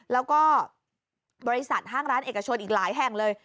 แล้วก็บริษัทห้างร้านเอกชนอีกหลายแห่งเลย